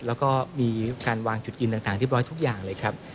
แล้วก็มีการวางจุดยืนต่างเรียบร้อยทุกอย่างเลยครับ